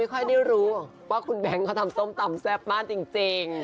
ค่อยได้รู้ว่าคุณแบงค์เขาทำส้มตำแซ่บมากจริง